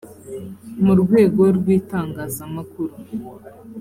mu rwego rw’itangazamakuru